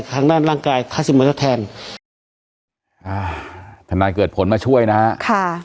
ทางด้านร่างกายค่าซิเมอร์แทนอ่าทนายเกิดผลมาช่วยนะฮะค่ะ